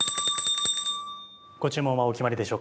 ご注文はお決まりでしょうか？